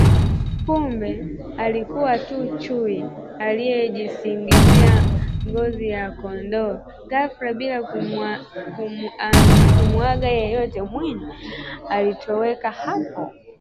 Kumbe alikuwa tu chui aliyejisingizia ngozi ya kondoo? Ghafla bila kumuaga yeyote, Mwinyi alitoweka hapo